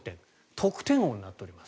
得点王になっております。